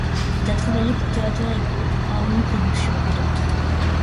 Il a travaillé pour Theater Echo, Aoni Production et d'autres.